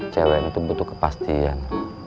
cewek yang butuh kepastian